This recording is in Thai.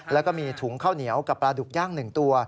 แล้วก็มีถุงข้าวเหนียวกับปลาดุกย่าง๑ตัว